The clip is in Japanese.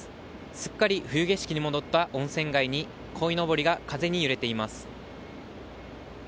すっかり冬景色に戻った温泉街にこいのぼりが風に揺れています。